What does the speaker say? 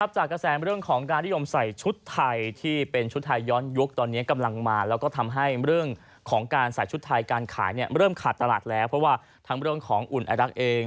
จากกระแสเรื่องของการนิยมใส่ชุดไทยที่เป็นชุดไทยย้อนยุคตอนนี้กำลังมาแล้วก็ทำให้เรื่องของการใส่ชุดไทยการขายเริ่มขาดตลาดแล้วเพราะว่าทั้งเรื่องของอุ่นไอรักเอง